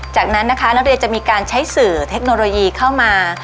จากนั้นนะคะนักเรียนจะมีการใช้สื่อเทคโนโลยีเข้ามา